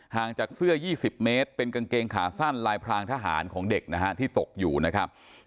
งจากเสื้อ๒๐เมตรเป็นกางเกงขาสั้นลายพรางทหารของเด็กนะฮะที่ตกอยู่นะครับ